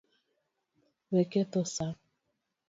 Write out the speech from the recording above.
Wek ketho saa.